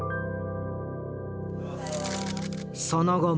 その後村